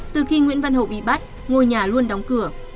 từ khi nguyễn văn hậu bị bắt ngôi nhà luôn đóng cửa